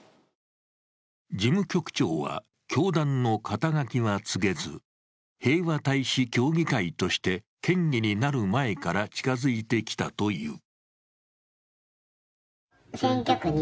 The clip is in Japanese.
事務局長は、教団の肩書は告げず、平和大使協議会として県議になる前から近づいてきたという。